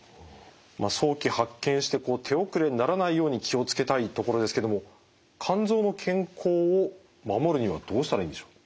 まあ早期発見してこう手遅れにならないように気を付けたいところですけども肝臓の健康を守るにはどうしたらいいんでしょう？